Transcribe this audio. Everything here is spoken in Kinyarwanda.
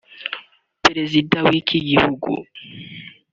Perezida w’iki gihugu